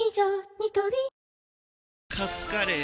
ニトリカツカレー？